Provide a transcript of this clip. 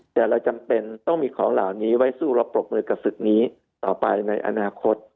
แต่เราจำเป็นต้องมีของเหล่านี้ไว้สู้เราปรบมือกับศึกนี้ต่อไปในอนาคต